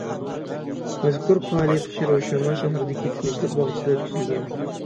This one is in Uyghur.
مەزكۇر پائالىيەت خىروشىما شەھىرىدىكى تىنچلىق باغچىسىدا ئۆتكۈزۈلگەن.